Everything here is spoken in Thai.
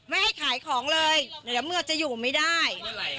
ไม่ให้ขายของเลยเดี๋ยวเมื่อจะอยู่ไม่ได้